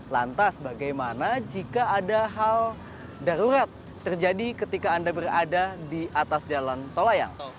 lantas bagaimana jika ada hal darurat terjadi ketika anda berada di atas jalan tol layang